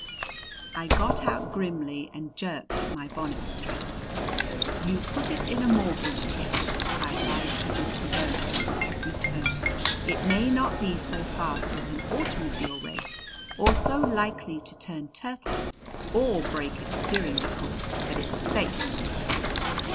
I got out grimly and jerked at my bonnet strings. "You put it in a mortgage, Tish," I advised her with severity in every tone. "It may not be so fast as an automobile race or so likely to turn turtle or break its steering knuckle, but it's safe."